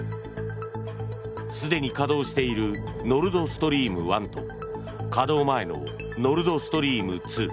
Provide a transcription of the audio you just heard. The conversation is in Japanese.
すでに稼働しているノルドストリーム１と稼働前のノルドストリーム２。